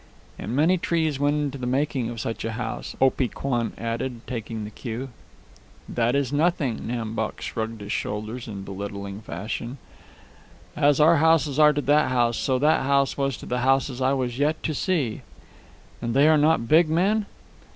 "And many trees went into the making of such a house," Opee Kwan added, taking the cue. "That is nothing." Nam Bok shrugged his shoulders in belittling fashion. "As our houses are to that house, so that house was to the houses I was yet to see." "And they are not big men?"